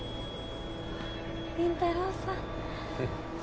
倫太郎さん。